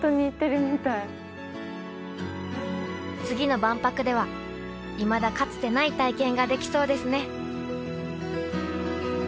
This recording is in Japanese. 次の万博ではいまだかつてない体験ができそうですね